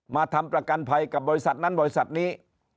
ทำประกันภัยกับบริษัทนั้นบริษัทนี้